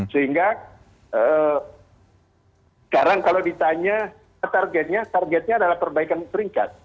sehingga sekarang kalau ditanya targetnya targetnya adalah perbaikan peringkat